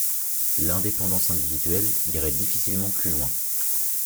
L’indépendance individuelle irait difficilement plus loin.